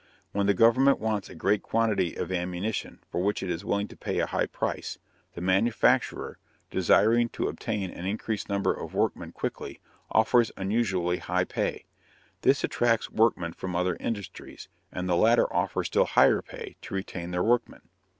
When the government wants a great quantity of ammunition for which it is willing to pay a high price, the manufacturer, desiring to obtain an increased number of workmen quickly, offers unusually high pay. This attracts workmen from other industries, and the latter offer still higher pay to retain their workmen.